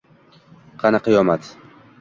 qani Qiyomat?